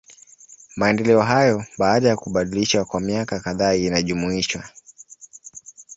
Maendeleo hayo, baada ya kubadilishwa kwa miaka kadhaa inajumuisha.